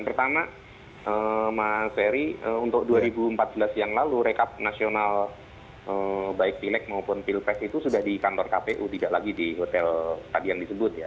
pertama mas ferry untuk dua ribu empat belas yang lalu rekap nasional baik pilek maupun pilpres itu sudah di kantor kpu tidak lagi di hotel tadi yang disebut ya